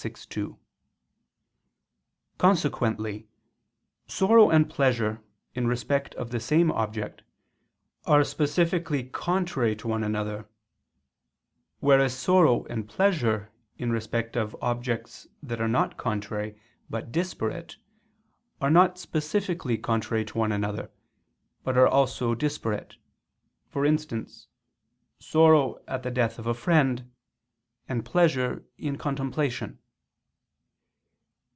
vi, 2). Consequently sorrow and pleasure in respect of the same object, are specifically contrary to one another: whereas sorrow and pleasure in respect of objects that are not contrary but disparate, are not specifically contrary to one another, but are also disparate; for instance, sorrow at the death of a friend, and pleasure in contemplation.